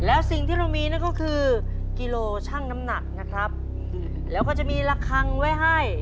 แล้วสิ่งที่เรามีนั่นก็คือกิโลชั่งน้ำหนักนะครับแล้วก็จะมีระคังไว้ให้